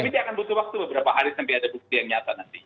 tapi dia akan butuh waktu beberapa hari sampai ada bukti yang nyata nanti